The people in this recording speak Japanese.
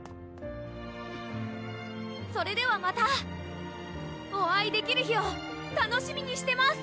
それではまたお会いできる日を楽しみにしてます！